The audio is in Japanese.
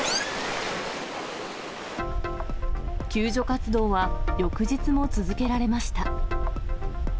救助活動は翌日も続けられました。